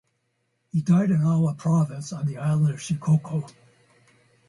He died in Awa province, on the island of Shikoku.